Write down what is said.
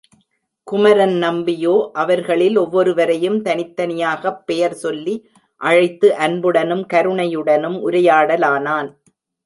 குமரன் நம்பியோ அவர்களில் ஒவ்வொருவரையும் தனித் தனியாகப் பெயர் சொல்லி அழைத்து அன்புடனும் கருணையுடனும் உரையாடலானான்.